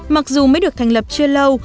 mặc dù mới được thành lập chưa lâu